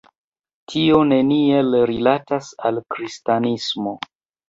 Tio neniel rilatas al kristanismo.